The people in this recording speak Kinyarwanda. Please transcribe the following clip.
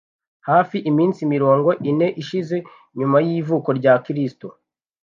Hafi iminsi mirongo ine ishize nyuma y'ivuka rya Kristo